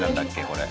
これ。